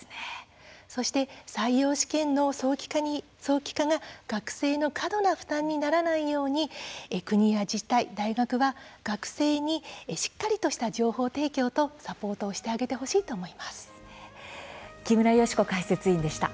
そして採用試験の早期化が学生の過度な負担にならないように国や自治体、大学は学生にしっかりとした情報提供とサポートをしてあげてほしいと木村祥子解説委員でした。